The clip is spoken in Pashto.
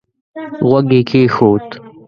غوږ يې کېښود.